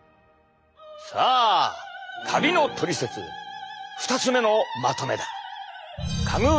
さあカビのトリセツ２つ目のまとめだ！